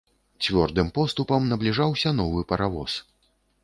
Цвёрдым поступам набліжаўся новы паравоз.